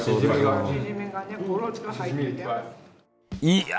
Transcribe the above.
いや。